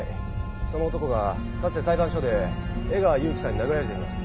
その男がかつて裁判所で江川有樹さんに殴られています。